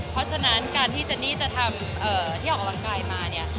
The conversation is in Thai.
เพราะฉะนั้นการที่เจนนี่จะทำที่ออกกำลังกายมาเนี่ย